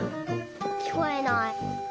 きこえない。